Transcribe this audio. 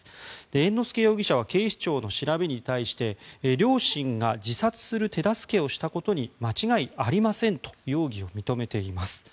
猿之助容疑者は警視庁の調べに対して両親が自殺する手助けをしたことに間違いありませんと容疑を認めています。